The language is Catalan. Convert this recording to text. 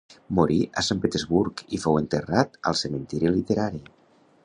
Morí a Sant Petersburg i fou enterrat al Cementiri Literari.